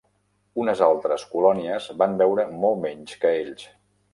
Unes altres colònies van veure molt menys que ells.